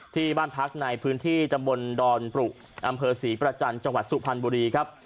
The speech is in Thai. ที่บ้านพักในพื้นที่ตำบลดอนปรุอำเภอศรีประจันทร์จังหวัดสุพรรณบุรีครับ